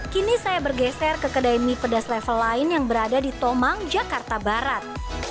kini saya bergeser ke kedai mie pedas level lain yang berada di tomang jakarta barat